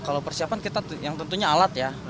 kalau persiapan kita yang tentunya alat ya